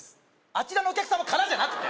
あちらのお客様からじゃなくて？